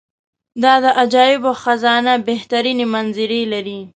دا د عجایبو خزانه بهترینې منظرې لري.